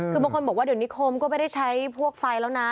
คือบางคนบอกว่าเดี๋ยวนิคมก็ไม่ได้ใช้พวกไฟแล้วนะ